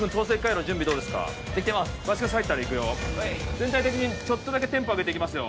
全体的にちょっとだけテンポ上げていきますよ・